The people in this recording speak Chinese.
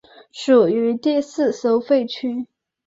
属于第四收费区。